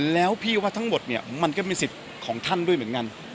แล้วพี่ว่าทั้งหมดเนี่ยมันก็เป็นสิทธิ์ของท่านด้วยเหมือนกัน